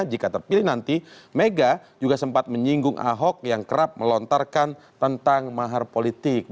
jika terpilih nanti mega juga sempat menyinggung ahok yang kerap melontarkan tentang mahar politik